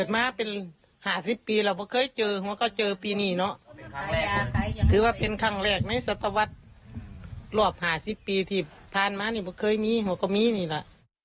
มันเคยมีมันก็มีนี่แหละ